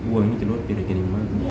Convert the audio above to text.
uang ini keluar dari rekening mana